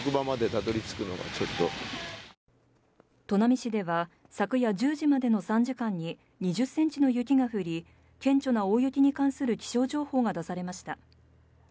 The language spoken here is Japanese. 砺波市では昨夜１０時までの３時間に２０センチの雪が降り顕著な大雪に関する気象情報が出されました